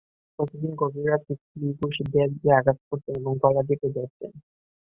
প্রতিদিন গভীর রাতে কিল-ঘুষি, বেত দিয়ে আঘাত করতেন এবং গলা টিপে ধরতেন।